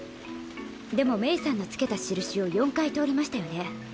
でも冥さんの付けた印を４回通りましたよね。